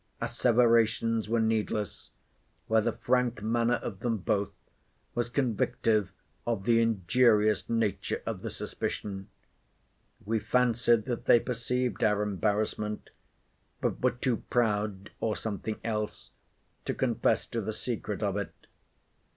Asseverations were needless, where the frank manner of them both was convictive of the injurious nature of the suspicion. We fancied that they perceived our embarrassment; but were too proud, or something else, to confess to the secret of it.